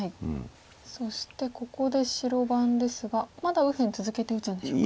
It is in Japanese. そしてここで白番ですがまだ右辺続けて打つんでしょうか？